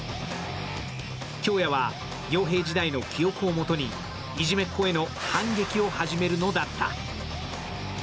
恭弥はよう兵時代の記憶をもとにいじめっ子への反撃を始めるのだった。